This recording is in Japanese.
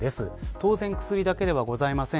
当然、薬だけではありません。